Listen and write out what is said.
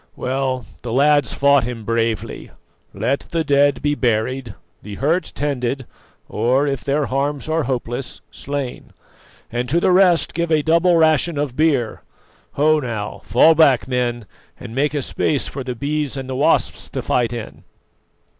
Well, the lads fought him bravely. Let the dead be buried, the hurt tended, or, if their harms are hopeless, slain, and to the rest give a double ration of beer. Ho, now, fall back, men, and make a space for the Bees and the Wasps to fight in."